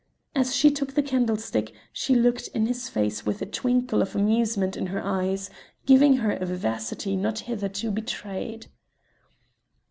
As she took the candlestick she looked in his face with a twinkle of amusement in her eyes, giving her a vivacity not hitherto betrayed.